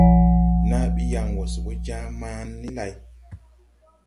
Naa bi yaŋ wɔ se bɔ Jaaman ni lay.